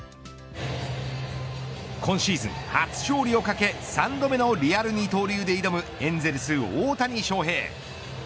今シーズン、初勝利をかけ３度目のリアル二刀流で挑むエンゼルス、大谷翔平。